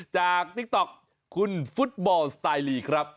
ติ๊กต๊อกคุณฟุตบอลสไตลีครับ